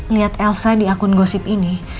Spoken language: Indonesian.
lihat elsa di akun gosip ini